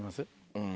うん。